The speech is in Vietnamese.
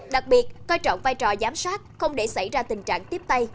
đặc biệt coi trọng vai trò giám sát không để xảy ra tình trạng tiếp tay